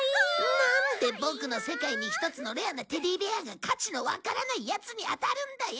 なんでボクの世界に一つのレアなテディベアが価値のわからないヤツに当たるんだよ！